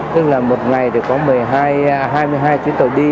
tức là một ngày thì có hai mươi hai chuyến tàu đi